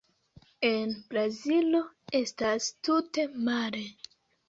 En Brazilo estas tute male.